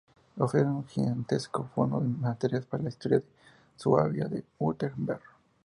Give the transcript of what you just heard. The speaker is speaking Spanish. Ofrecen un gigantesco fondo de materiales para la historia de Suabia y Württemberg.